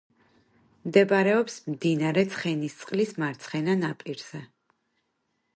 მდებარეობს მდინარე ცხენისწყლის მარცხენა ნაპირზე.